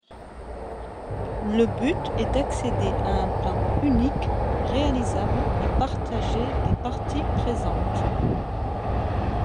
Le but est d'accéder à un plan unique, réalisable et partagé des parties présentes.